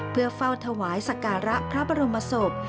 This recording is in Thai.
เพื่อเฝ้าถวายสการะพระบรมศพ